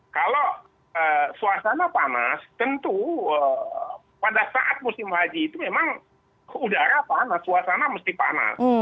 kalau suasana panas tentu pada saat musim haji itu memang udara panas suasana mesti panas